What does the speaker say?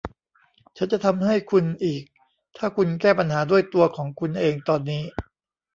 ฉันจะทำให้คุณอีกถ้าคุณแก้ปัญหาด้วยตัวของคุณเองตอนนี้